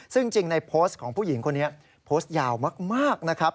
ซึ่งจริงในโพสต์ของผู้หญิงคนนี้โพสต์ยาวมากนะครับ